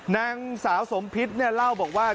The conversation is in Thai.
นางสาวสมพิษเนี่ยเล่าบอกว่า